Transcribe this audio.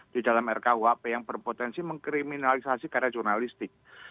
di dalam rkuhp yang berpotensi mengkriminalisasi karya jurnalistik